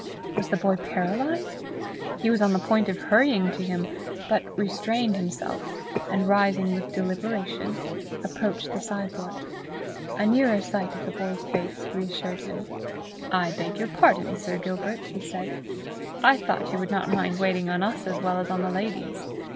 Was the boy paralyzed? He was on the point of hurrying to him, but restrained himself, and rising with deliberation, approached the sideboard. A nearer sight of the boy's face reassured him. "I beg your pardon, Sir Gilbert," he said; "I thought you would not mind waiting on us as well as on the ladies.